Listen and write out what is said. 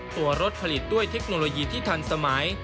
ตัวรถผลิตด้วยเทคโนโลยีที่ทันสมัย